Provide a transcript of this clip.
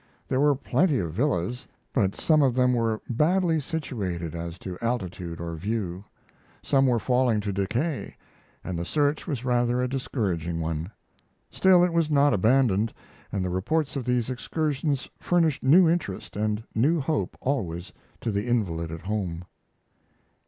There were plenty of villas; but some of them were badly situated as to altitude or view; some were falling to decay, and the search was rather a discouraging one. Still it was not abandoned, and the reports of these excursions furnished new interest and new hope always to the invalid at home.